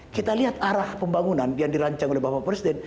kita lihat arah pembangunan yang dirancang oleh bapak presiden